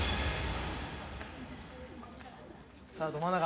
さあど真ん中。